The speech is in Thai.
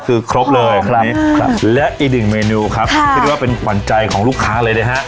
คือครบเลยครับและอีกหนึ่งเมนูครับคิดว่าเป็นขวัญใจของลูกค้าเลยนะฮะ